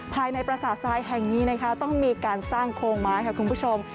ประสาททรายแห่งนี้นะคะต้องมีการสร้างโครงไม้ค่ะคุณผู้ชม